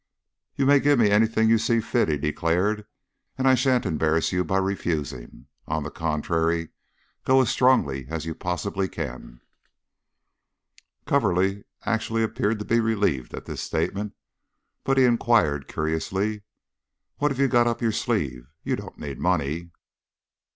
"You may give me anything you see fit," he declared, "and I sha'n't embarrass you by refusing. On the contrary, go as strongly as you possibly can." Coverly actually appeared to be relieved at this statement, but he inquired, curiously: "What have you got up your sleeve? You don't need money."